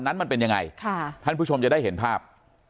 นั้นมันเป็นยังไงค่ะท่านผู้ชมจะได้เห็นภาพ